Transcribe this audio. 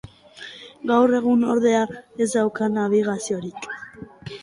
Gaur egun ordea ez dauka nabigaziorik.